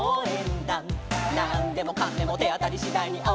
「なんでもかんでもてあたりしだいにおうえんだ！！」